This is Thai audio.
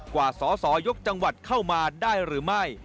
กว่าสอสอยกจังหวัดเข้ามาได้หรือไม่